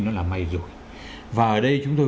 nó là may rồi và ở đây chúng tôi